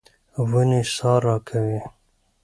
ونې سا راکوي.